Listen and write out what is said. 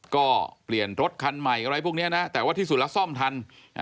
ก็เปลี่ยนรถคันใหม่อะไรพวกนี้นะแต่ว่าที่สุดแล้วซ่อมทัน